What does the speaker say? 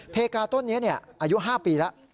เพกาต้นนี้อายุ๕ปีแล้ว